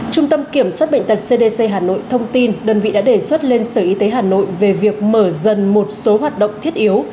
trung tâm kiểm soát bệnh tật cdc hà nội thông tin đơn vị đã đề xuất lên sở y tế hà nội về việc mở dần một số hoạt động thiết yếu